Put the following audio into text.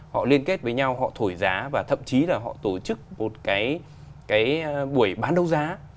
họ liên kết với nhau họ thổi giá và thậm chí là họ tổ chức một cái buổi bán đấu giá